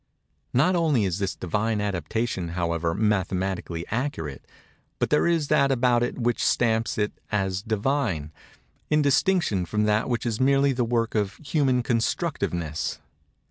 Not only is this Divine adaptation, however, mathematically accurate, but there is that about it which stamps it as divine, in distinction from that which is merely the work of human constructiveness.